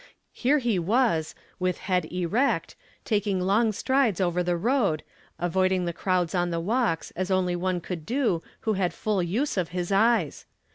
Here he was, with head erect, taking long strides over the road, avoiding the crowds on the walks as only one could do who had full use of his eyes.